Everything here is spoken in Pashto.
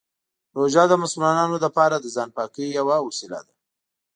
روژه د مسلمانانو لپاره د ځان پاکۍ یوه وسیله ده.